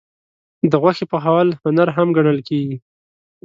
د غوښې پخول هنر هم ګڼل کېږي.